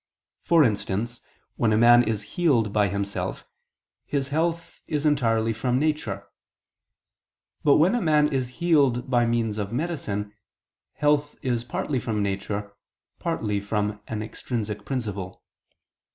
For instance, when a man is healed by himself, his health is entirely from nature; but when a man is healed by means of medicine, health is partly from nature, partly from an extrinsic principle.